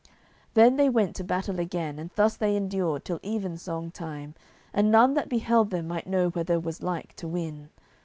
Then they went to battle again, and thus they endured till even song time, and none that beheld them might know whether was like to win.